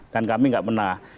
dan kami tidak pernah